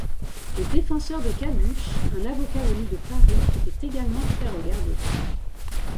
Le défenseur de Cabuche, un avocat venu de Paris, était également très regardé.